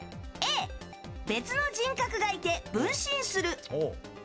Ａ、別の人格がいて分身する。